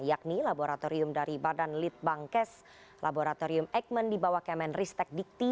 yakni laboratorium dari badan litbangkes laboratorium aikman di bawah kemen ristek dikti